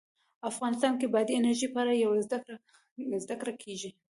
افغانستان کې د بادي انرژي په اړه پوره زده کړه کېږي.